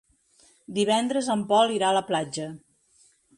Divendres en Pol irà a la platja.